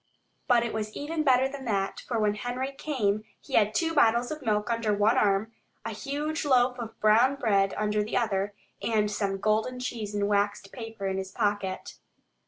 But it was even better than that, for when Henry came he had two bottles of milk under one arm, a huge loaf of brown bread under the other, and some golden cheese in waxed paper in his pocket.